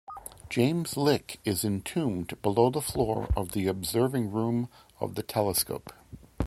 James Lick is entombed below the floor of the observing room of the telescope.